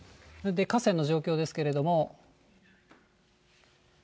河川の状況ですけれども。